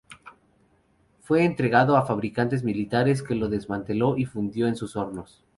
Fue entregado a Fabricaciones Militares, que lo desmanteló y fundió en sus hornos.